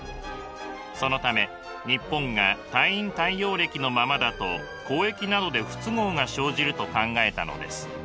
そのため日本が太陰太陽暦のままだと交易などで不都合が生じると考えたのです。